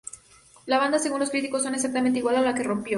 La banda, según los críticos, suena exactamente igual a la que rompió.